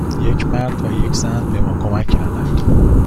یک مرد و یک زن به ما کمک کردند.